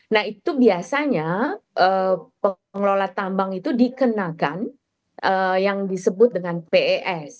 nah itu biasanya pengelola tambang itu dikenakan yang disebut dengan pes